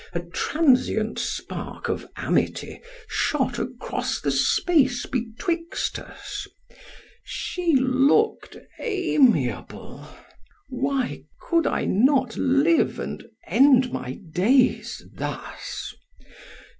A transient spark of amity shot across the space betwixt us——She look'd amiable!——Why could I not live, and end my days thus?